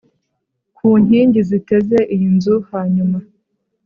ku nkingi ziteze iyi nzu Hanyuma